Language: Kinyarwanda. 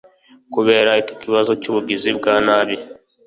Kubera iki kibazo cy’ubigizi bwa nabi